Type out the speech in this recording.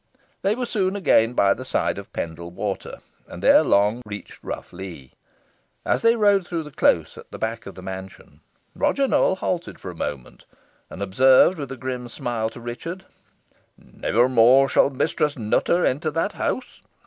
They were soon again by the side of Pendle Water, and erelong reached Rough Lee. As they rode through the close at the back of the mansion, Roger Nowell halted for a moment, and observed with a grim smile to Richard "Never more shall Mistress Nutter enter that house.